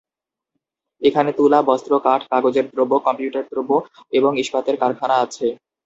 এখানে তুলা, বস্ত্র, কাঠ, কাগজের দ্রব্য, কম্পিউটার দ্রব্য এবং ইস্পাতের কারখানা আছে।